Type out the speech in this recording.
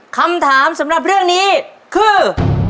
คำถามสำหรับเรื่องนี้คือ